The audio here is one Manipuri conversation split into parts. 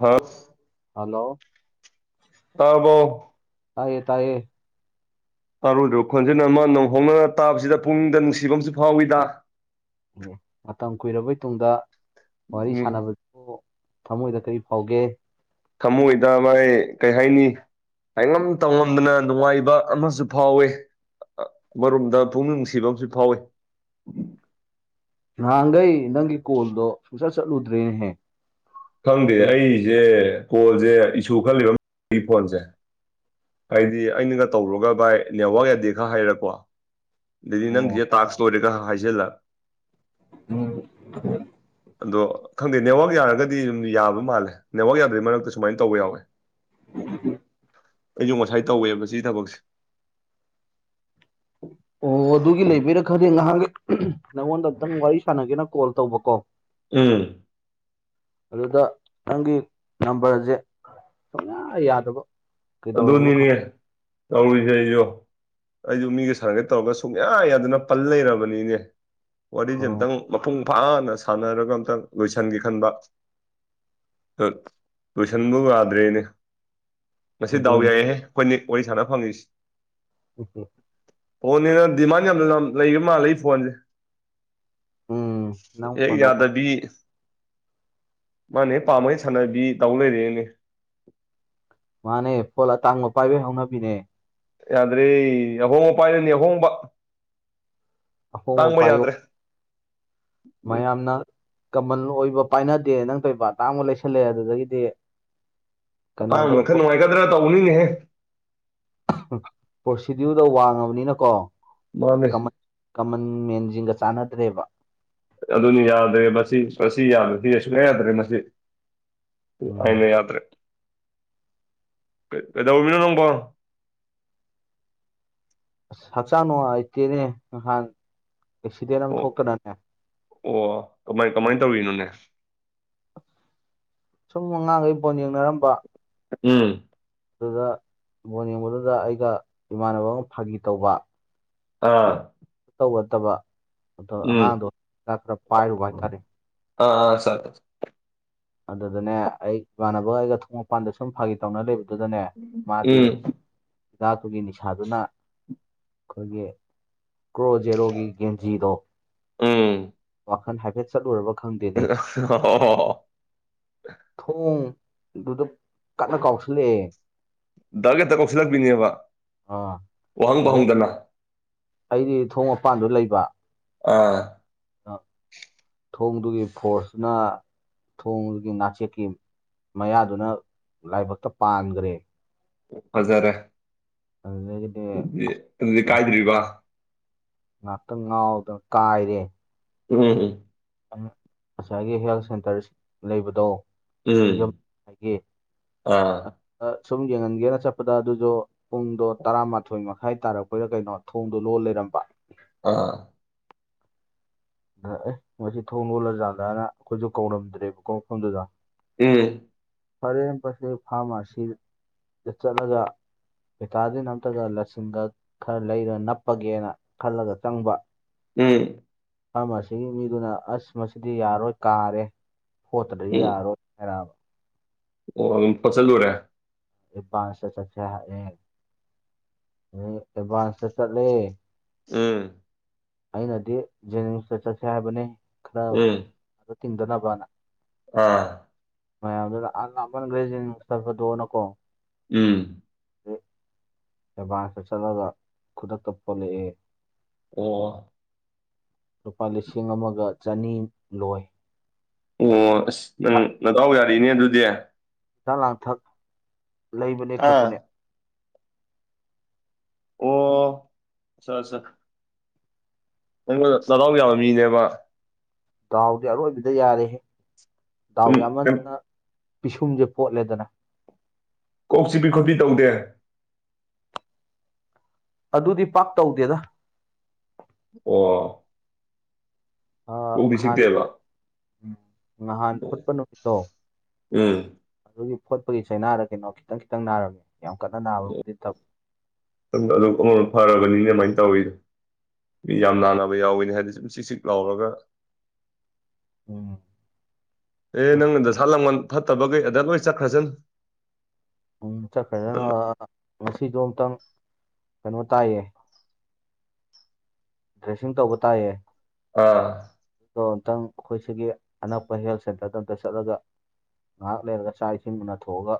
ꯍ ꯍꯜꯂꯣ ꯇꯥꯔꯕ꯭ꯔꯣ ꯇꯥꯏꯌꯦ ꯇꯥꯏꯌꯦ ꯇꯔꯧꯗ꯭ꯔꯕ ꯈꯣꯟꯖꯦꯜ ꯑꯃ ꯅꯧꯍꯧꯅꯅ ꯇꯥꯕꯁꯤꯗ ꯄꯨꯡꯅꯤꯡꯗ ꯅꯨꯡꯁꯤꯕ ꯑꯃꯁꯨ ꯐꯥꯎꯏꯗ ꯎꯝ ꯃꯇꯝ ꯀꯨꯏꯔꯕꯩ ꯇꯨꯡꯗ ꯋꯥꯔꯤ ꯎꯝ ꯁꯥꯟꯅꯕꯗꯨꯕꯨ ꯊꯃꯣꯏꯗ ꯀꯔꯤ ꯐꯥꯎꯒꯦ ꯊꯃꯣꯏꯗ ꯃꯥꯏ ꯀꯩ ꯍꯥꯏꯅꯤ ꯍꯥꯏꯉꯝ ꯇꯧꯉꯝꯗꯅ ꯅꯨꯡꯉꯥꯏꯕ ꯑꯃꯁꯨ ꯐꯥꯎꯋꯤ ꯑ ꯃꯔꯣꯝꯗ ꯄꯨꯛꯅꯤꯡ ꯅꯨꯡꯁꯤꯕ ꯑꯃꯁꯨ ꯐꯥꯎꯋꯤ ꯅꯍꯥꯟꯈꯩ ꯅꯪꯒꯤ ꯀꯣꯜꯗꯣ ꯁꯨꯡꯁꯠ ꯆꯠꯂꯨꯗ꯭ꯔꯦꯅꯍꯦ ꯈꯪꯗꯦ ꯑꯩꯁꯦ ꯀꯣꯜꯁꯦ ꯏꯁꯨ ꯈꯂꯩꯕ ꯐꯣꯟꯁꯦ ꯍꯥꯏꯗꯤ ꯑꯩꯅꯒ ꯇꯧꯔꯒ ꯚꯥꯏ ꯅꯦꯠꯋꯥꯛ ꯌꯥꯗꯦ ꯍꯇ ꯍꯥꯏꯔꯛ ꯑꯗꯨꯗꯤ ꯑꯣ ꯅꯪꯒꯤꯁꯦ ꯇꯥꯛꯁ ꯂꯣꯏꯔꯦ ꯈꯔ ꯍꯥꯏꯖꯤꯜꯂꯛ ꯎꯝ ꯑꯗꯣ ꯈꯪꯗꯦ ꯅꯦꯠꯋꯥꯛ ꯌꯥꯔꯒꯗꯤ ꯑꯗꯨꯨꯝ ꯌꯥꯕ ꯃꯥꯜꯂꯦ ꯅꯦꯠꯋꯥꯛ ꯌꯥꯗ꯭ꯔꯗꯤ ꯃꯔꯛꯇ ꯁꯨꯃꯥꯏꯅ ꯇꯧꯕ ꯌꯥꯎꯋꯦ ꯎ [inaudible] ꯑꯩꯁꯨ ꯉꯁꯥꯏ ꯇꯧꯋꯦꯕ ꯁꯤ ꯊꯕꯛꯁꯦ [inaudible] ꯑꯣ ꯑꯗꯨꯒꯤ ꯂꯩꯕꯩꯔ ꯈꯪꯗꯦ ꯉꯍꯥꯟꯒꯤ ꯅꯪꯉꯣꯟꯗ ꯑꯝꯇꯪ ꯋꯥꯔꯤ ꯁꯥꯟꯅꯒꯦꯅ ꯀꯣꯜ ꯇꯧꯕꯀꯣ ꯎꯝ ꯑꯗꯨꯗ ꯅꯪꯒꯤ ꯅꯝꯕꯔꯁꯦ ꯁꯨꯡꯌꯥ ꯌꯥꯗꯕ ꯀꯩꯗꯧꯔꯕꯅꯣ ꯑꯗꯨꯅꯤꯅꯦ ꯈꯪ ꯇꯧꯔꯤꯁꯦ ꯑꯩꯁꯨ ꯑꯩꯁꯨ ꯃꯤꯒ ꯁꯥꯟꯅꯒꯦ ꯇꯧꯔꯒ ꯁꯨꯡꯌꯥ ꯌꯥꯗꯅ ꯄꯜ ꯂꯩꯔꯕꯅꯤꯅꯦ ꯋꯥꯔꯤꯁꯦ ꯑꯣ ꯑꯝꯇꯪ ꯃꯄꯨꯡ ꯐꯥꯅ ꯁꯥꯟꯅꯔꯒ ꯑꯝꯇꯪ ꯂꯣꯏꯁꯤꯟꯒꯦ ꯈꯟꯕ [unintelligible] ꯂꯣꯏꯁꯟꯕꯨ ꯌꯥꯗ꯭ꯔꯦꯅꯦ ꯉꯁꯤ ꯗꯥꯎ ꯑꯗꯨꯅꯤ ꯌꯥꯏꯍꯦ ꯑꯩꯈꯣꯏꯅꯤ ꯋꯥꯔꯤ ꯁꯥꯟꯅ ꯐꯪꯉꯤꯁꯤ ꯑꯣꯅꯤꯅ ꯗꯤꯃꯥꯟ ꯌꯥꯝ ꯂꯝ ꯂꯩꯕ ꯃꯥꯜꯂꯦ ꯑꯩꯐꯣꯟꯁꯦ ꯎꯝ ꯅꯪ ꯑꯦ ꯐꯣꯟ ꯇꯧ ꯌꯥꯗꯗꯤ ꯃꯥꯅ ꯍꯦꯛ ꯄꯥꯝꯃ ꯁꯥꯟꯅꯕꯤ ꯇꯧ ꯂꯩꯔꯦꯅꯦ ꯃꯥꯅꯦ ꯐꯣꯜ ꯑꯇꯥꯡꯕ ꯄꯥꯏꯕꯩ ꯍꯧꯅꯕꯤꯅꯦ ꯌꯥꯗ꯭ꯔꯦ ꯑꯍꯣꯡꯕ ꯄꯥꯏꯔꯅꯤ ꯑꯍꯣꯡꯕ ꯑꯍꯣꯡꯕ ꯑꯇꯥꯡꯕ ꯄꯥꯏꯌꯣ ꯌꯥꯗ꯭ꯔꯦ ꯃꯌꯥꯝꯅ ꯀꯃꯜ ꯑꯣꯏꯕ ꯄꯥꯏꯅꯗꯦ ꯅꯪꯇꯣꯏꯕ ꯑꯇꯥꯡꯕ ꯂꯩꯁꯜꯂꯦ ꯑꯗꯨꯗꯩꯗꯤ ꯑꯇꯥꯡꯕꯅ ꯈꯔ ꯅꯨꯡꯉꯥꯏꯒꯗ꯭ꯔ ꯇꯧꯕꯅꯤꯅꯦꯍꯦ [unintelligible] ꯄ꯭ꯔꯣꯁꯤꯗꯤ꯭ꯌꯨꯗꯣ ꯋꯥꯡꯉꯕꯅꯤꯅꯀꯣ ꯃꯥꯅꯦ ꯀꯃꯟ ꯀꯃꯟ ꯃꯦꯟꯁꯤꯡꯒ ꯆꯥꯟꯅꯗ꯭ꯔꯦꯕ ꯑꯗꯨꯅꯤ ꯌꯥꯗ꯭ꯔꯦ ꯃꯁꯤ ꯃꯁꯤ ꯌꯥꯗ꯭ꯔꯦ ꯁꯤ ꯁꯨꯡꯌꯥ ꯌꯥꯗ꯭ꯔꯦ ꯃꯁꯤ ꯎꯝ ꯑꯩꯅ ꯌꯥꯗ꯭ꯔꯦ ꯀꯩ ꯀꯩꯗꯧꯔꯝꯃꯤꯅꯣ ꯅꯪꯕꯣ ꯑꯁ ꯍꯛꯆꯥꯡ ꯅꯨꯡꯉꯥꯏꯇꯦꯅꯦ ꯅꯍꯥꯟ ꯑꯦꯛꯁꯤꯗꯦꯟ ꯑꯃ ꯊꯣꯛꯇꯅꯅꯦ ꯑꯣ ꯀꯃꯥꯏ ꯀꯃꯥꯏ ꯇꯧꯔꯤꯅꯣꯅꯦ ꯁꯨꯝ ꯑꯉꯥꯡꯒꯩ ꯕꯣꯟ ꯌꯦꯡꯅꯔꯝꯕ ꯎꯝ ꯑꯗꯨꯗ ꯕꯣꯟ ꯌꯦꯡꯕꯗꯨꯗ ꯑꯩꯒ ꯏꯃꯥꯟꯅꯕ ꯑꯃ ꯐꯥꯒꯤ ꯇꯧꯕ ꯑꯥ ꯇꯧꯒꯗꯕ ꯑꯗꯣ ꯎꯝ ꯑꯉꯥꯡꯗꯣ ꯍꯤꯗꯥꯛ ꯈꯔ ꯄꯥꯏꯔꯨꯕ ꯍꯥꯏꯇꯔꯦ ꯑꯥ ꯑꯥ ꯆꯠ [unintelligible] ꯑꯗꯨꯗꯅꯦ ꯑꯩ ꯏꯃꯥꯟꯅꯕ ꯑꯩꯒ ꯊꯣꯡ ꯃꯄꯥꯟꯗ ꯁꯨꯝ ꯐꯥꯒꯤ ꯇꯧꯅ ꯂꯩꯕ ꯑꯗꯨꯗꯅꯦ ꯃꯥꯗꯤ ꯎꯝ ꯍꯤꯗꯥꯛꯇꯨꯒꯤ ꯅꯤꯁꯥꯗꯨꯅ ꯑꯩꯈꯣꯏꯒꯤ ꯀ꯭ꯔꯣ ꯖꯦꯔꯣꯒꯤ ꯒꯦꯟꯖꯤꯗꯣ ꯎꯝ ꯋꯥꯈꯟ ꯍꯥꯏꯐꯦꯠ ꯆꯠꯂꯨꯔꯕ ꯑꯣ [unintelligible] ꯊꯣꯡꯗꯨꯗ ꯀꯟꯅ ꯀꯥꯎꯁꯤꯜꯂꯛꯑꯦ ꯗꯛ ꯍꯦꯛꯇ ꯀꯧꯁꯤꯜꯂꯛꯄꯤꯅꯦꯕ ꯑꯥ ꯋꯥꯍꯪ ꯑꯗꯩ ꯄꯧꯍꯪꯗꯅ ꯑꯩꯗꯤ ꯊꯣꯡ ꯃꯄꯥꯟꯗ ꯂꯩꯕ ꯑꯥ ꯑꯩ ꯊꯣꯡꯗꯨꯒꯤ ꯐꯣꯔꯁꯅ ꯊꯣꯡꯗꯨꯒꯤ ꯅꯥꯆꯦꯛꯀꯤ ꯃꯌꯥꯗꯨꯅ ꯂꯥꯏꯕꯛꯇ ꯄꯥꯟꯒꯔ꯭ꯦ ꯐꯖꯔꯦ ꯑꯗꯨꯗꯒꯤꯗꯤ ꯑꯗꯨꯗꯤ ꯑꯗꯨꯗꯤ ꯀꯥꯏꯗ꯭ꯔꯤꯕ ꯉꯥꯛꯇꯪ ꯉꯥꯎꯔꯒ ꯀꯥꯥꯏꯔꯦ ꯎꯝ ꯎꯝ ꯎꯝ ꯑꯁꯥꯏꯒꯤ ꯍꯦꯜꯊ ꯁꯦꯟꯇꯔ ꯂꯩꯕꯗꯣ ꯎꯝ ꯑꯥ [unintelligible] ꯁꯨꯝ ꯌꯦꯡꯍꯟꯒꯦꯅ ꯆꯠꯄꯗ ꯑꯗꯨꯁꯨ ꯄꯨꯡꯗꯣ ꯇꯔꯥꯃꯥꯊꯣꯏ ꯃꯈꯥꯏ ꯇꯥꯔꯛꯄꯩꯔ ꯀꯩꯅꯣ ꯊꯣꯡꯗꯣ ꯂꯣꯜ ꯂꯩꯔ ꯑꯝꯕ ꯑꯥ ꯑꯗ ꯑꯦ ꯃꯁꯤ ꯊꯣꯡ ꯂꯣꯜꯂꯖꯥꯠꯂꯅ ꯑꯩꯈꯣꯏꯁꯨ ꯀꯧꯔꯝꯗ꯭ꯔꯦꯕꯀꯣ ꯃꯐꯝꯗꯨꯗ ꯑꯦ ꯐꯔꯦꯅ [unintelligible] ꯐꯥꯔꯃꯥꯁꯤꯗ ꯆꯠꯂꯒ ꯚꯤꯇꯥꯖꯤꯟ ꯑꯃꯝꯇꯒ ꯂꯁꯤꯟꯒ ꯈꯔ ꯂꯩꯔꯒ ꯅꯞꯄꯒꯦꯅ ꯈꯜꯂꯒ ꯆꯪꯕ ꯑꯦ ꯐꯥꯔꯃꯥꯁꯤꯒꯤ ꯃꯤꯗꯨꯅ ꯑꯁ ꯃꯁꯤꯗꯤ ꯌꯥꯔꯣꯏ ꯀꯥꯔꯦ ꯍꯐꯣꯠꯇ꯭ꯔ ꯎꯝ ꯌꯥꯔꯣꯢ ꯍꯥꯢꯔꯛꯑꯕ ꯑꯣ ꯑꯗꯨꯝ ꯐꯠꯆꯜꯂꯨꯔꯦ ꯑꯦꯚꯥꯟꯁꯇ ꯆꯠꯁꯦ ꯍꯥꯏꯑ ꯑꯦꯚꯥꯟꯁꯇ ꯆꯠꯂꯦ ꯑꯦ ꯑꯩꯅꯗꯤ ꯖꯦꯅꯤꯝꯁꯇ ꯆꯠꯁꯦ ꯍꯥꯏꯕꯅꯦ ꯎꯝ ꯇꯤꯡꯗꯅꯥꯕꯅ ꯑꯥ ꯃꯌꯥꯝꯗꯨꯅ ꯑꯥ ꯂꯥꯞꯃꯟꯈ꯭ꯔꯦ ꯖꯦꯅꯤꯝꯁꯇ ꯆꯠꯄꯗꯣꯅ ꯀꯣ ꯎꯝ ꯗꯩ ꯑꯦꯠꯕꯥꯟꯁꯇ ꯆꯠꯂꯒ ꯈꯨꯗꯛꯇ ꯐꯣꯂꯛꯑꯦ ꯑꯣ ꯂꯨꯄꯥ ꯂꯤꯁꯤꯡ ꯑꯃꯒ ꯆꯅꯤ ꯂꯣꯏ ꯑꯣ ꯑꯁ ꯅꯪ ꯅꯗꯥꯎ ꯌꯥꯔꯤꯅꯦ ꯑꯗꯨꯗꯤ ꯍꯤꯗꯥꯛ ꯂꯥꯡꯊꯛ ꯂꯩꯕꯅꯦ ꯑꯥ ꯈꯣꯠꯄꯅꯦ ꯑꯣ ꯑꯁꯥ ꯑꯁꯥ ꯅꯪꯅ ꯅꯗꯥꯎ ꯌꯥꯕ ꯃꯤꯅꯦꯕ ꯗꯥꯎꯗꯤ ꯑꯔꯣꯏꯕꯤꯗ ꯌꯥꯔꯦꯍꯦ ꯗꯥꯎ ꯑꯗꯨꯝ ꯀꯩꯝ ꯌꯥꯃꯝꯗꯅ ꯄꯤꯁꯨꯝꯁꯦ ꯐꯣꯠꯂꯦꯗꯅ ꯀꯣꯛ ꯆꯤꯛꯄꯤ ꯈꯣꯠꯄꯤ ꯇꯧꯗꯦ ꯑꯗꯨꯗꯤ ꯄꯥꯛ ꯇꯧꯗꯦꯗ ꯑꯣ ꯀꯣꯛꯇꯤ ꯆꯤꯛꯇꯦꯕ ꯎꯝ ꯅꯍꯥꯟ ꯐꯣꯠꯄ ꯅꯨꯃꯤꯠꯇꯣ ꯎꯝ ꯑꯌꯨꯛ ꯐꯣꯠꯄꯒꯤ ꯆꯩꯅꯥꯔ ꯀꯩꯅꯣ ꯈꯤꯇꯪ ꯈꯤꯇꯪ ꯅꯥꯔꯝꯃꯦ ꯌꯥꯝ ꯀꯟꯅ ꯅꯥꯕꯕꯨꯗꯤ ꯅꯠꯇꯕ꯫ ꯗ ꯑꯗꯨ ꯑꯃꯃ ꯐꯔꯔꯕꯅꯤꯅꯦ ꯑꯗꯨꯃꯥꯏꯅ ꯇꯧꯋꯤ ꯃꯤ ꯌꯥꯝ ꯅꯥꯅꯕ ꯌꯥꯎꯋꯤꯍꯦ ꯍꯥꯏꯗꯤ ꯁꯨꯝ ꯆꯤꯛ ꯆꯤꯛ ꯂꯥꯎꯔꯒ ꯑꯥ ꯑꯦ ꯅꯪꯅ ꯗꯁꯥ ꯂꯪꯕꯟ ꯐꯠꯇꯕꯈꯩ ꯑꯗ ꯂꯣꯏ ꯆꯠꯈ꯭ꯔꯁꯅꯨ ꯎꯝ ꯆꯠꯈ꯭ꯔꯁꯅꯣ ꯅꯪ ꯉꯁꯤꯗꯣ ꯑꯝꯇꯪ ꯀꯩꯅꯣ ꯇꯥꯏꯌꯦ ꯗ꯭ꯔꯦꯁꯤꯡ ꯇꯧꯕ ꯇꯥꯢꯑꯦ ꯑꯥ ꯑꯗꯣ ꯑꯃꯨꯛꯇꯪ ꯑꯩꯈꯣꯏ ꯁꯤꯒꯤ ꯑꯅꯛꯄ ꯍꯦꯜꯊ ꯁꯦꯟꯇꯔꯗ ꯑꯝꯇ ꯆꯠꯂꯒ ꯉꯥꯏꯍꯥꯛ ꯂꯩꯔꯒ ꯆꯥꯛ ꯏꯁꯤꯡ ꯅꯊꯣꯛꯑꯒ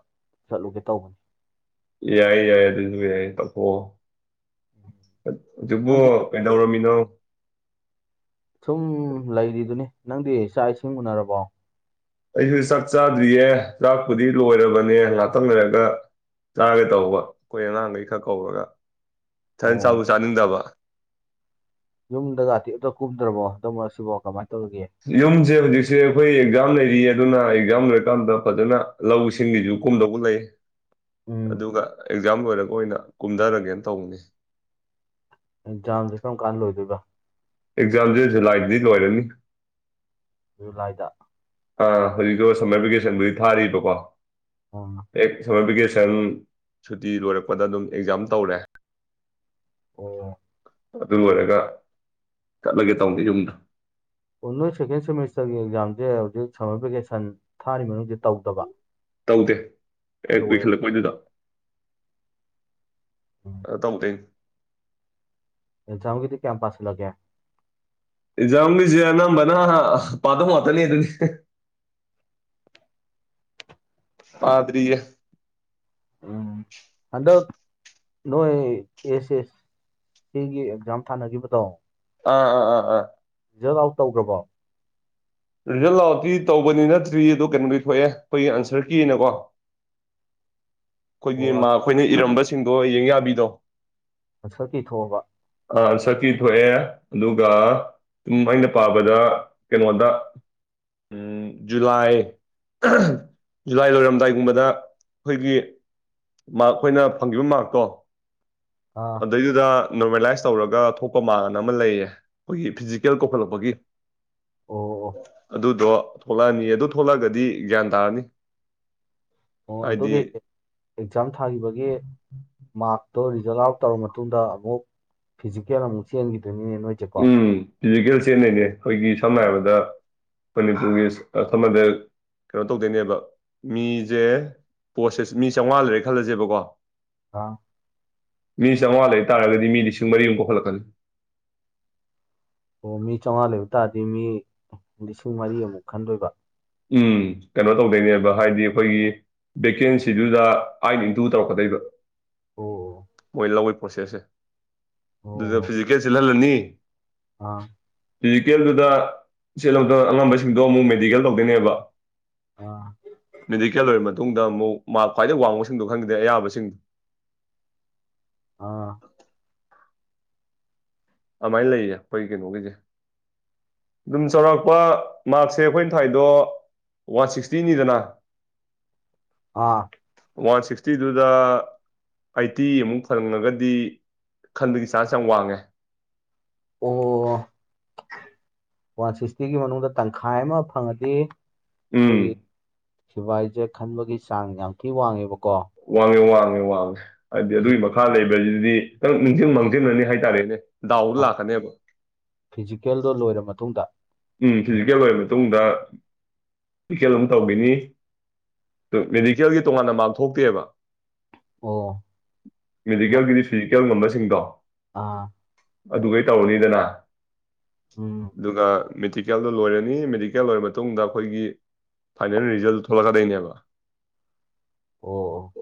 ꯆꯠꯂꯨꯒꯦ ꯇꯧꯕꯅꯤ ꯌꯥꯏ ꯌꯥꯏ ꯑꯗꯨꯁꯨ ꯌꯥꯏ ꯇꯧꯊꯣꯛꯑꯣ ꯍꯧꯖꯤꯛꯄꯨ ꯅꯪꯗꯤ ꯀꯩꯗꯧꯔꯝꯃꯤꯅꯣ ꯁꯨꯝ ꯂꯩꯔꯤꯗꯨꯅꯤ ꯅꯪꯗꯤ ꯆꯥꯛ ꯏꯁꯤꯡ ꯎꯅꯔꯕꯣ ꯑꯩꯁꯨ ꯆꯥꯛ ꯆꯥꯗ꯭ꯔꯤꯌꯦ ꯆꯥꯛꯄꯨꯗꯤ ꯂꯣꯏꯔꯕꯅꯦ ꯉꯥꯛꯇꯪ ꯂꯩꯔꯒ ꯆꯥꯔꯒꯦ ꯇꯧꯕ ꯑꯩꯈꯣꯏ ꯑꯉꯥꯡꯈꯩ ꯈꯔ ꯀꯧꯔꯒ ꯏꯊꯟ ꯆꯥꯕꯁꯨ ꯆꯥꯅꯤꯡꯗꯕ ꯌꯨꯝꯗꯀꯥꯇꯤ ꯑꯝꯇ ꯀꯨꯨꯝꯗ꯭ꯔꯕꯣ ꯍꯟꯗꯛ ꯃꯔꯛꯁꯤꯕꯣ ꯀꯃꯥꯏ ꯌꯨꯝꯁꯦ ꯍꯧꯖꯤꯛꯁꯦ ꯑꯩꯈꯣꯏ ꯑꯦꯛꯖꯥꯝ ꯂꯩꯔꯤꯑꯦ ꯑꯗꯨꯅ ꯑꯦꯛꯖꯥꯝ ꯂꯣꯏꯔꯀꯥꯟꯗ ꯐꯖꯅ ꯂꯧꯁꯤꯡꯒꯤꯁꯨ ꯀꯨꯝꯗꯧꯕ ꯂꯩ ꯎꯝ ꯑꯗꯨꯒ ꯑꯦꯛꯖꯥꯝ ꯂꯣꯏꯔꯒ ꯑꯣꯏꯅ ꯀꯨꯝꯊꯔꯒꯦꯅ ꯇꯧꯕꯅꯤ ꯥꯑꯦꯛꯖꯥꯝꯁꯦ ꯀꯔꯝ ꯀꯥꯟꯗ ꯂꯣꯏꯗꯣꯏꯕ ꯑꯦꯛꯖꯥꯝꯁꯦ ꯖꯨꯂꯥꯏꯗꯗꯤ ꯂꯣꯏꯔꯅꯤ ꯖꯨꯂꯥꯏꯗ ꯑ ꯍꯧꯖꯤꯛꯛꯇꯣ ꯁꯝꯃꯔ ꯚꯦꯀꯦꯁꯟꯕꯨꯗꯤ ꯊꯥꯔꯤꯕꯀꯣ ꯑꯥ ꯌꯦꯛ ꯁꯝꯃꯔ ꯚꯦꯀꯦꯁꯟ ꯁꯟ ꯁꯨꯇꯤ ꯂꯣꯏꯔꯛꯄꯗ ꯑꯗꯨꯝ ꯑꯦꯛꯖꯥꯝ ꯇꯧꯔꯦ ꯑꯣ ꯑꯗꯨ ꯂꯣꯏꯔꯒ ꯆꯠꯂꯒꯦ ꯇꯧꯅꯤ ꯌꯨꯝꯗ ꯑꯣ ꯅꯣꯏ ꯁꯦꯀꯦꯟ ꯁꯦꯃꯤꯁꯇꯔꯒꯤ ꯑꯦꯛꯖꯥꯝꯁꯦ ꯍꯧꯖꯤꯛ ꯁꯝꯃꯔ ꯚꯦꯀꯦꯁꯟ ꯊꯥꯔꯤ ꯃꯅꯨꯡꯁꯤ ꯇꯧꯗꯕ ꯇꯧꯗꯦ ꯍꯦꯛ ꯂꯣꯏꯔ ꯄꯤꯈꯠꯂꯛꯄꯩꯗꯨꯗ ꯎꯝ ꯑ ꯇꯧꯗꯦ ꯑꯦꯛꯖꯥꯝꯒꯤꯗꯤ ꯀ꯭ꯌꯥꯝ ꯄꯥꯁꯜꯂꯒꯦ ꯑꯦꯛꯖꯥꯝꯒꯤꯁꯦ ꯑꯅꯝꯕꯅ ꯄꯥꯗꯕ ꯉꯥꯛꯇꯅꯦ ꯗꯨꯅꯤ ꯄꯥꯗ꯭ꯔꯤꯌꯦ ꯎꯝ ꯍꯟꯗꯛ ꯅꯣꯏ ꯑꯦꯁ ꯑꯦꯁ ꯁꯤꯒꯤ ꯑꯦꯛꯖꯥꯝ ꯊꯥꯅꯈꯤꯕꯗꯣ ꯑꯥ ꯑꯥ ꯑꯥ ꯑꯥ ꯔꯤꯖꯜ ꯑꯥꯎꯠ ꯇꯧꯈ꯭ꯔꯕꯣ ꯔꯤꯖꯜ ꯑꯥꯎꯠꯇꯤ ꯇꯧꯕꯗꯤ ꯅꯠꯇ꯭ꯔꯤ ꯑꯗꯨ ꯀꯩꯅꯣꯗꯤ ꯊꯣꯛꯑꯦ ꯑꯩꯈꯣꯏꯒꯤ ꯑꯟꯁꯔ ꯀꯤꯅꯀꯣ [inaudible] ꯑꯣ ꯑꯩꯈꯣꯏꯒꯤ ꯃꯥꯛ ꯑꯩꯈꯣꯏꯅ ꯏꯔꯝꯕꯁꯤꯡꯗꯣ ꯌꯦꯡ ꯌꯥꯕꯤꯗꯣ ꯑꯟꯁꯔ ꯀꯤ ꯊꯣꯛꯑꯕ ꯑ ꯑꯟꯁꯔ ꯀꯤ ꯊꯣꯛꯑꯦ ꯑꯗꯨꯒ ꯁꯨꯝ ꯑꯩꯅ ꯄꯥꯕꯗ ꯀꯩꯅꯣꯗ ꯎꯝ ꯖꯨꯂꯥꯏ [unintelligible] ꯖꯨꯂꯥꯏ ꯂꯣꯏꯔꯝꯗꯥꯏꯒꯨꯝꯕꯗ ꯑꯩꯈꯣꯏꯒꯤ ꯃꯥꯔꯛ ꯑꯩꯈꯣꯏꯅ ꯐꯪꯈꯤꯕ ꯃꯥꯔꯛꯇꯣ ꯑꯥ ꯑꯗꯩꯗꯨꯗ ꯅꯣꯔꯃꯦꯂꯥꯏꯁ ꯇꯧꯔꯒ ꯊꯣꯛꯄ ꯃꯥꯔꯛ ꯑꯃ ꯂꯩꯌꯦ ꯑꯩꯈꯣꯏꯒꯤ ꯐꯤꯖꯤꯀꯦꯜ ꯀꯧꯈꯠꯂꯛꯄꯒꯤ ꯑꯣ ꯑꯣ ꯑꯗꯨꯗꯣ ꯊꯣꯛꯂꯛꯑꯅꯤ ꯑꯗꯨ ꯊꯣꯛꯂꯛꯑꯒꯗꯤ ꯒ꯭ꯌꯥꯟ ꯇꯥꯔꯅꯤ ꯑꯣ ꯍꯥꯏꯗꯤ ꯑꯗꯨꯒꯤ ꯑꯦꯛꯖꯥꯝ ꯊꯥꯈꯤꯕꯒꯤ ꯃꯥꯔꯛ ꯇꯣ ꯔꯤꯖꯜ ꯑꯥꯎꯠ ꯇꯧꯔꯕ ꯃꯇꯨꯡꯗ ꯑꯃꯨꯛ ꯐꯤꯖꯤꯀꯦꯜ ꯑꯃꯨꯛ ꯆꯦꯟꯈꯤ ꯎꯝ ꯐꯤꯖꯤꯀꯦꯜ ꯆꯦꯟꯗꯣꯢꯅꯦ ꯑꯩꯈꯣꯏꯒꯤ ꯁꯝꯅ ꯍꯥꯏꯔꯕꯗ ꯈꯣꯢꯒꯤ ꯈꯃꯦꯟ ꯁꯤꯠꯄ [unintelligible] ꯀꯩꯅꯣ ꯇꯧꯗꯣꯏꯅꯦꯕ ꯃꯤꯁꯦ ꯄꯣꯠꯁꯦꯁ ꯃꯤ ꯆꯥꯝꯃꯉꯥ ꯂꯩꯔꯦ ꯈꯜꯂꯁꯦꯕꯀꯣ ꯑꯥ ꯃꯤ ꯆꯥꯝꯃꯉꯥ ꯂꯩ ꯇꯥꯔꯒꯗꯤ ꯃꯤ ꯂꯤꯁꯤꯡ ꯃꯔꯤꯃꯨꯛ ꯀꯧꯈꯠꯂꯛꯀꯅꯤ ꯑꯣ ꯃꯤ ꯆꯥꯝꯃꯉꯥ ꯂꯩꯕ ꯇꯥꯔꯗꯤ ꯃꯤ ꯂꯤꯁꯤꯡ ꯃꯔꯤ ꯑꯃꯨꯛ ꯈꯟꯗꯣꯏꯕ ꯎꯝ ꯀꯩꯅꯣ ꯇꯧꯗꯣꯏꯅꯦꯕ ꯍꯥꯏꯗꯤ ꯑꯩꯈꯣꯏꯒꯤ ꯚꯦꯀꯦꯟꯁꯤꯗꯨꯗ ꯑꯩꯠ ꯅ ꯏꯟꯇꯨ ꯇꯧꯔꯛꯀꯗꯣꯏꯕ ꯑꯣ ꯃꯣꯏ ꯂꯧꯕꯩ ꯄ꯭ꯔꯣꯁꯦꯁꯁꯦ ꯑꯗꯨꯗ ꯑꯣ ꯐꯤꯖꯤꯀꯦꯜ ꯆꯦꯜꯍꯜꯂꯅꯤ ꯑꯥ ꯐꯤꯖꯤꯀꯦꯜꯗꯨꯗ ꯆꯦꯜꯂꯣꯗ ꯑꯉꯝꯕꯁꯤꯡꯗꯣ ꯑꯃꯨꯛ ꯃꯦꯗꯤꯀꯦꯜ ꯇꯧꯗꯣꯏꯅꯦꯕ ꯑꯥ ꯃꯤꯗꯤꯀꯦꯜ ꯂꯣꯢꯃꯛ ꯇꯨꯡꯗ ꯑꯃꯨꯛ ꯃꯥꯛ ꯈ꯭ꯋꯥꯏꯗꯒꯤ ꯋꯥꯡꯕꯁꯤꯡꯗꯣ ꯈꯟꯈꯤꯗꯩ ꯑꯌꯥꯕꯁꯤꯡ ꯑꯥ ꯑꯃꯥꯏ ꯂꯩꯌꯦ ꯑꯩꯈꯣꯏ ꯀꯩꯅꯣꯒꯤꯗꯤ ꯑꯗꯨꯝ ꯆꯥꯎꯔꯥꯛꯄ ꯃꯥꯔꯛꯁꯦ ꯑꯩꯈꯣꯏꯅ ꯊꯥꯏꯗꯣ ꯋꯥꯟ ꯁꯤꯛꯁꯇꯤꯅꯤꯗꯅ ꯑꯥ ꯋꯥꯟ ꯁꯤꯛꯁꯇꯤꯗꯨꯗ ꯑꯩꯠꯇꯤ ꯃꯨꯛ ꯐꯪꯉꯒꯗꯤ ꯈꯟꯕꯒꯤ ꯆꯥꯟꯁ ꯌꯥꯝ ꯋꯥꯡꯉꯦ ꯑꯣ ꯋꯥꯟ ꯁꯤꯛꯁꯇꯤꯒꯤ ꯃꯅꯨꯡꯗ ꯇꯪꯈꯥꯏ ꯑꯃ ꯐꯪꯉꯗꯤ ꯎꯝ ꯗꯨꯕꯥꯢꯖꯦ ꯈꯟꯕꯒꯤ ꯆꯥꯡ ꯌꯥꯝ ꯊꯤ ꯋꯥꯡꯉꯦꯕꯀꯣ ꯋꯥꯡꯉꯦ ꯋꯥꯡꯉꯦ ꯋꯥꯡꯉꯦ ꯍꯥꯏꯗꯤ ꯑꯗꯨꯒꯤ ꯐꯤꯖꯤꯀꯦꯜ ꯃꯈꯥ ꯂꯩꯕꯁꯤꯗꯤ ꯈꯤꯇꯪ ꯅꯤꯡꯁꯤꯡ ꯃꯥꯡꯖꯤꯜꯂꯅꯤ ꯍꯥꯏꯇꯥꯔꯦꯅꯦ ꯗꯥꯎꯗ ꯂꯥꯛꯀꯅꯦꯕ ꯐꯤꯖꯤꯀꯦꯜꯗꯣ ꯂꯣꯏꯔꯕ ꯃꯇꯨꯡꯗ ꯎꯝ ꯐꯤꯖꯤꯀꯦꯜ ꯂꯣꯏꯔꯕ ꯃꯇꯨꯡꯗ ꯃꯦꯗꯤꯀꯦꯜ ꯑꯃꯨꯛ ꯇꯧꯈꯤꯅꯤ ꯗꯨ ꯃꯦꯗꯤꯀꯦꯜꯒꯤ ꯇꯣꯉꯥꯟꯅ ꯃꯥꯔꯛ ꯊꯣꯛꯇꯦꯕ ꯑꯣ ꯂ- ꯃꯦꯗꯤꯀꯦꯜꯒꯤꯗꯤ ꯐꯤꯖꯤꯀꯦꯜ ꯉꯝꯕꯁꯤꯡꯗꯣ ꯑꯥ ꯑꯗꯨꯈꯩ ꯇꯧꯔꯅꯤꯗꯅ ꯎꯝ ꯑꯗꯨꯒ ꯃꯦꯗꯤꯀꯦꯜꯗꯣ ꯂꯣꯏꯔꯅꯤ ꯃꯦꯗꯤꯀꯦꯜ ꯂꯣꯏꯔꯕ ꯃꯇꯨꯡꯗ ꯑꯩꯈꯣꯏꯒꯤ ꯐꯥꯏꯅꯦꯜ ꯔꯤꯖꯜꯇ ꯊꯣꯛꯂꯀꯗꯣꯢꯅꯦ ꯑꯕ ꯑꯣ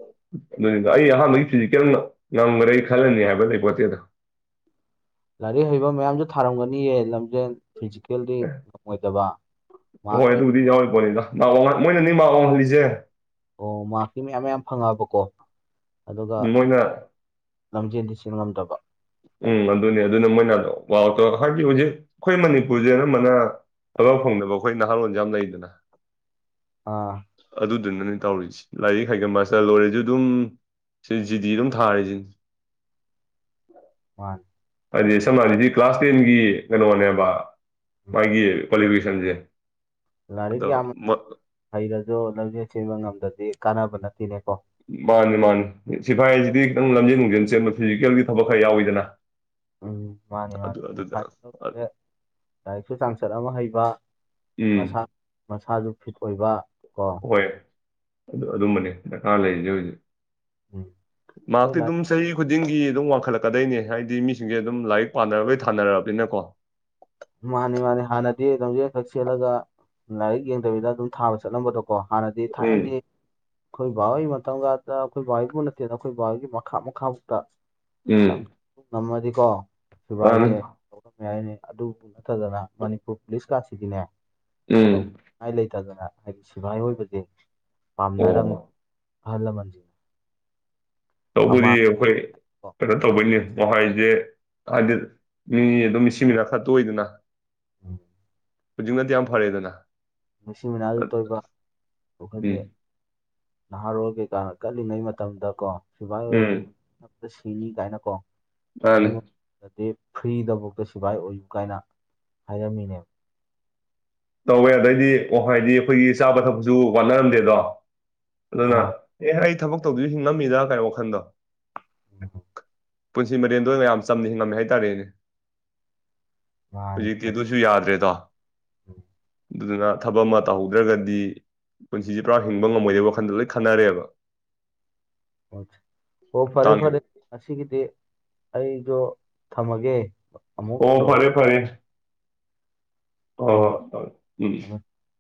ꯑꯗꯨꯅꯤꯗ ꯑꯩ ꯑꯍꯥꯟꯕꯒꯤ ꯐꯤꯖꯤꯀꯦꯜ ꯉꯝꯈ꯭ꯔꯦ ꯑꯩ ꯈꯜꯂꯅꯤ ꯍꯥꯏꯕ ꯂꯩ ꯄꯣꯠꯇꯦꯗ ꯂꯥꯏꯔꯤꯛ ꯍꯩꯕ ꯃꯌꯥꯝꯁꯨ ꯊꯥꯔꯝꯒꯅꯤꯌꯦ ꯂꯝꯖꯦꯜ ꯐꯤꯖꯤꯀꯦꯜꯗꯤ ꯉꯝꯃꯣꯏꯗꯕ ꯍꯣꯏ ꯃꯥꯔꯛꯇꯤ ꯑꯗꯨꯕꯨꯗꯤ ꯌꯥꯎꯔꯤ ꯄꯣꯠꯅꯤꯗ ꯃꯥ ꯋꯥꯡ ꯃꯣꯏꯅ ꯅꯅꯤ ꯃꯥ ꯋꯥꯡꯍꯜꯂꯤꯁꯦ ꯑꯣ ꯃꯥꯔꯀꯤ ꯃꯌꯥꯝ ꯃꯌꯥꯝ ꯐꯪꯉꯕꯀꯣ ꯎꯝ ꯃꯣꯏꯅ ꯂꯝꯖꯦꯟꯗꯤ ꯆꯦꯟ ꯉꯝꯗꯕ ꯎꯝ ꯑꯗꯨꯅꯦ ꯑꯗꯨꯅ ꯃꯣꯏꯅ ꯄꯥꯎꯗꯣ ꯍꯥꯏꯗꯤ ꯍꯧꯖꯤꯛ ꯑꯩꯈꯣꯏ ꯃꯅꯤꯄꯨꯔꯁꯦ ꯑꯅꯝꯕꯅ ꯊꯕꯛ ꯐꯪꯗꯕ ꯑꯩꯈꯣꯏ ꯅꯍꯥꯔꯣꯟꯁꯦ ꯌꯥꯝ ꯂꯩꯗꯅ ꯑꯥ ꯑꯗꯨꯅꯅꯦ ꯇꯧꯔꯤꯁꯦ ꯂꯥꯏꯔꯤꯛ ꯍꯩꯒ ꯃꯥꯁꯇ ꯂꯣꯏꯔꯦꯁꯨ ꯑꯗꯨꯝ ꯁꯤ ꯖꯤꯗꯤ ꯑꯗꯨꯝ ꯊꯥꯔꯁꯤꯅꯤ ꯃꯥꯅꯤ ꯍꯥꯏꯗꯤ ꯁꯝꯅ ꯍꯥꯏꯁꯤ ꯀ꯭ꯂꯥꯁ ꯇꯦꯟꯒꯤ ꯀꯩꯅꯣꯅꯦꯕ ꯎꯝ ꯃꯥꯒꯤ ꯀ꯭ꯋꯥꯂꯤꯐꯤꯀꯦꯁꯟꯁꯦ ꯂꯥꯏꯔꯤꯛ ꯑꯗꯣ ꯌꯥꯝ ꯍꯩꯔꯁꯨ ꯂꯝꯖꯦꯜ ꯆꯦꯟꯕ ꯉꯝꯗꯗꯤ ꯀꯥꯟꯅꯕ ꯅꯠꯇꯦꯅꯦꯀꯣ ꯃꯥꯅꯤ ꯃꯥꯅꯤ ꯁꯤꯐꯥꯏꯁꯤꯗꯤ ꯈꯤꯇꯪ ꯂꯝꯖꯦꯟ ꯅꯨꯡꯖꯦꯟ ꯆꯦꯟꯕ ꯐꯤꯖꯤꯀꯦꯜꯒꯤ ꯊꯕꯛ ꯈꯔ ꯌꯥꯎꯋꯤꯗꯅ ꯎꯝ ꯃꯥꯅꯤ ꯑꯗꯨ ꯃꯥꯅꯤ ꯑꯗꯨꯗ ꯁꯤꯐꯥꯏꯅ ꯑ- ꯇꯦ ꯂꯥꯏꯔꯤꯛꯁꯨ ꯆꯥꯡꯆꯠ ꯑꯃ ꯍꯩꯕ ꯎꯝ ꯃꯁꯥ ꯃꯁꯥꯁꯨ ꯐꯤꯠ ꯑꯣꯏꯕ ꯀꯣ ꯍꯣꯏ ꯑꯗꯨ ꯑꯗꯨꯝꯕꯅꯤ ꯗꯔꯀꯥꯔ ꯂꯩꯔꯤꯁꯦ ꯍꯧꯖꯤꯛ ꯎꯝ ꯍꯣꯏ ꯃꯥꯛꯇꯤ ꯑꯗꯨꯝ ꯂꯥꯏꯔꯤꯛ ꯆꯍꯤ ꯈꯨꯗꯤꯡꯒꯤ ꯑꯗꯨꯝ ꯋꯥꯡꯈꯠꯂꯛꯀꯗꯣꯏꯅꯦ ꯍꯥꯏꯗꯤ ꯃꯤꯁꯤꯡꯁꯦ ꯑꯗꯨꯝ ꯂꯥꯏꯔꯤꯛ ꯄꯥꯅꯔꯕꯒꯤ ꯊꯥꯅꯔꯕꯅꯤꯅꯀꯣ ꯃꯥꯅꯦ ꯃꯥꯅꯦ ꯍꯥꯟꯅꯗꯤ ꯂꯝꯖꯦꯟ ꯈꯛ ꯆꯦꯜꯂꯒ ꯂꯥꯏꯔꯤꯛ ꯌꯦꯡꯗꯕꯤꯗ ꯑꯗꯨꯝ ꯊꯥꯕ ꯆꯠꯂꯝꯕꯗꯣ ꯀꯣ ꯍꯥꯟꯅꯗꯤ ꯎꯝ ꯊꯥꯏꯅꯗꯤ ꯑꯩꯈꯣꯏ ꯕꯥꯍꯣꯒꯤ ꯃꯇꯝꯒꯗ ꯑꯩꯈꯣꯏ ꯕꯥꯍꯣꯏꯕꯨ ꯅꯠꯇꯦꯅ ꯑꯩꯈꯣꯏ ꯕꯥꯍꯣꯏꯒꯤ ꯃꯈꯥ ꯃꯈꯥꯃꯛꯇ ꯎꯝ ꯉꯝꯃꯗꯤꯀꯣ ꯃꯥꯅꯤ ꯁꯤꯐꯥꯢꯁꯦ ꯂꯧꯔꯝꯕ ꯌꯥꯢꯅꯦ ꯑꯗꯨ ꯑꯗꯨ ꯅ ꯃꯅꯤꯄꯨꯔ ꯄꯨꯂꯤꯁꯀꯥꯁꯤꯗꯤꯅꯦ ꯎꯝ ꯇꯧꯉꯥꯏ ꯂꯩꯇꯦ ꯑꯗꯨꯅ ꯑꯩ ꯁꯤꯕꯥꯥꯏ ꯑꯣꯏꯕꯗꯤ ꯑꯣ ꯄꯥꯝꯅꯔꯝ ꯑꯍꯜꯂꯃꯟꯖꯤꯡ ꯇꯧꯕꯗꯤ ꯑꯩꯈꯣꯏ ꯀꯩꯅꯣ ꯇꯧꯕꯩꯅꯤ ꯀꯣ ꯍꯥꯢꯗꯤ ꯍꯥꯏꯗꯤ ꯃꯤ ꯑꯗꯨꯝ ꯃꯤꯁꯤ ꯃꯤꯅ ꯈꯔ ꯇꯣꯏꯗꯅ [inaudible] ꯍꯧꯖꯤꯛ ꯅꯗꯤ ꯌꯥꯝ ꯐꯔꯦꯗꯅ ꯃꯤꯁꯤ ꯃꯤꯅꯥꯁꯨ ꯇꯣꯏꯕ ꯎꯝ ꯑꯩꯈꯣꯏꯒꯤ ꯅꯍꯥꯔꯣꯜ ꯀꯩꯀꯥꯅ ꯀꯜꯂꯤꯉꯩ ꯃꯇꯝꯗ ꯀꯣ ꯁꯤꯕꯥꯥꯏ ꯎꯝ ꯑꯣꯏꯗꯤ ꯁꯤꯅꯤ ꯀꯥꯏꯅ ꯀꯣ ꯈꯔ ꯃꯥꯅꯤ ꯉꯧ ꯔꯗꯤ ꯐ꯭ꯔꯤꯗꯐꯥꯎꯗ ꯁꯤꯐꯥꯏ ꯑꯣꯏꯌꯨ ꯀꯥꯏꯅ ꯍꯥꯏꯔꯝꯃꯤꯅꯦꯕ ꯇꯧꯋꯦ ꯍꯥꯢꯗꯤ ꯋꯥꯈꯥꯏꯒꯤ ꯑꯈꯣꯢꯒꯤ ꯆꯥꯕ ꯊꯛꯄꯁꯨ ꯋꯥꯠꯍꯜꯗꯦꯗꯣ ꯑꯗꯨꯅ ꯑꯥ ꯑꯦ ꯑꯩ ꯊꯕꯛ ꯇꯧꯗꯤꯔ ꯍꯤꯡ ꯉꯝꯃꯤꯗ ꯀꯥꯢ ꯋꯥꯈꯜꯗꯣ [inaudible] ꯄꯨꯟꯁꯤ ꯃꯔꯦꯟꯗꯣ ꯌꯥꯝ ꯆꯝꯅ ꯍꯤꯡꯉꯝꯃꯦ ꯍꯥꯏꯇꯥꯔꯦꯅꯦ ꯃꯥꯅꯤ ꯍꯧꯖꯤꯛꯇꯤ ꯍꯣꯏ ꯑꯗꯨꯁꯨ ꯌꯥꯗ꯭ꯔꯦꯗꯣ [inaudible] ꯑꯗꯨꯗ ꯊꯕꯛ ꯑꯃ ꯇꯧꯍꯧꯗ꯭ꯔꯒꯗꯤ ꯄꯨꯟꯁꯤꯁꯦ ꯄꯨꯔꯥ ꯍꯤꯡꯕ ꯉꯝꯃꯣꯏꯗꯕ ꯋꯥꯈꯟꯗ ꯂꯣꯏ ꯈꯟꯅꯔꯦꯕ ꯑꯣ ꯐꯔꯦ ꯐꯔꯦ ꯇꯥꯡꯉꯦꯕ ꯉꯁꯤ ꯒꯤꯗꯤ ꯑꯩ ꯑꯗꯣ ꯊꯝꯃꯒꯦ ꯑꯃꯨꯛ ꯑꯣ ꯇꯧꯔꯛ ꯐꯔꯦ ꯐꯔꯦ ꯑꯣ ꯍꯣꯏ ꯍꯣꯏ ꯍꯣ ꯍꯣꯢ ꯊꯝꯃꯦ ꯎꯝ